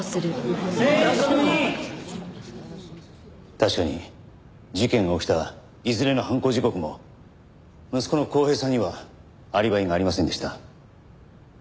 確かに事件が起きたいずれの犯行時刻も息子の康平さんにはアリバイがありませんでした。